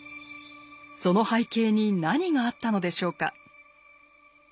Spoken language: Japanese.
その背景に何があったのでしょうか？